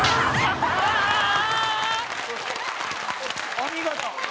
お見事。